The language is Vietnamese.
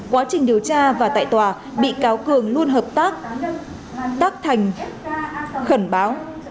quá trình điều tra và tại tòa bị cáo cường luôn hợp tác thành khẩn báo